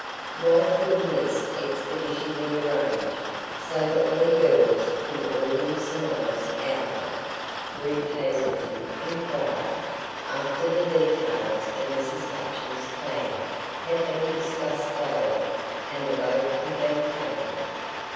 "Why couldn't this expedition be arranged so that we girls could all win some honors out of it?" Ruth Hazelton inquired, after the details of Mrs. Hutchins' plan had been discussed thoroughly and the vote had been taken.